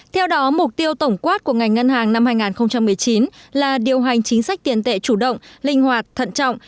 theo đó mục tiêu tổng quát của ngành ngân hàng năm hai nghìn một mươi chín là điều hành chính sách tiền tệ chủ động linh hoạt thận trọng